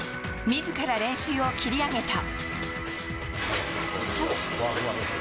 みずから練習を切り上げた。